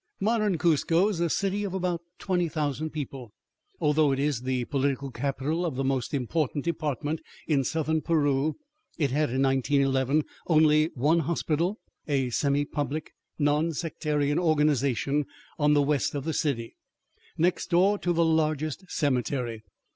Modern Cuzco is a city of about 20,000 people. Although it is the political capital of the most important department in southern Peru, it had in 1911 only one hospital a semi public, non sectarian organization on the west of the city, next door to the largest cemetery.